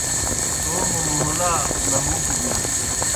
توموْ مھلا لہُوکوْ بِینوْ